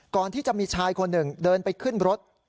ก่อนที่จะมีชายคนหนึ่งเดินไปขึ้นรถ